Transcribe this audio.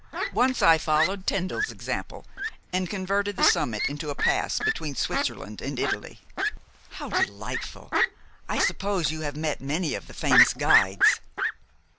Once I followed Tyndall's example, and converted the summit into a pass between Switzerland and Italy." "How delightful! I suppose you have met many of the famous guides?"